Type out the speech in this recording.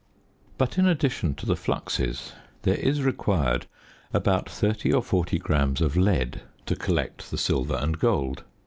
But in addition to the fluxes there is required about 30 or 40 grams of lead to collect the silver and gold.